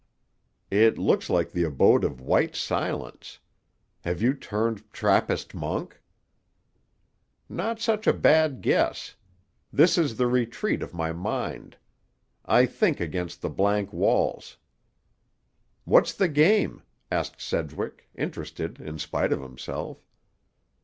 "It looks like the abode of white silence. Have you turned Trappist monk?" "Not such a bad guess. This is the retreat of my mind. I think against the blank walls." "What's the game?" asked Sedgwick, interested in spite of himself.